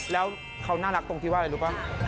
แล้วเขาน่ารักตรงที่ว่าอะไรรู้ป่ะ